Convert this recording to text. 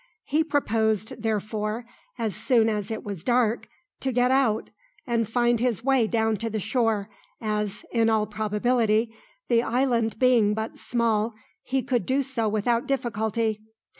He proposed, therefore, as soon as it was dark, to get out and find his way down to the shore, as, in all probability, the island being but small, he could do so without difficulty.